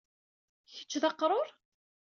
Kečč d aqrur?